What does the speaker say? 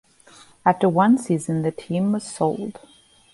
After one season the team was sold.